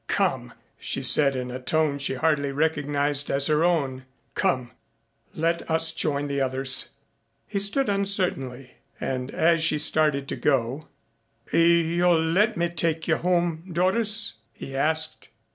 "Come," she said in a tone she hardly recognized as her own, "come let us join the others." He stood uncertainly and as she started to go, "You'll let me take you home, Doris?" he asked.